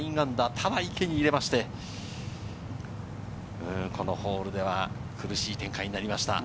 ただ池に入れまして、このホールでは苦しい展開になりました。